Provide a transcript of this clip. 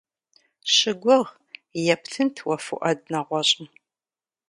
Щыгугъ, ептынт уэ Фуӏад нэгъуэщӏым.